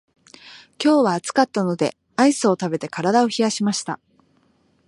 今日は暑かったのでアイスを食べて体を冷やしました。